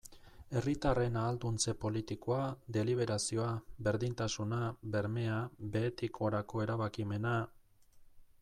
Herritarren ahalduntze politikoa, deliberazioa, berdintasuna, bermea, behetik gorako erabakimena...